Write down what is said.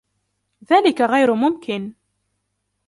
ذلك غير ممكن!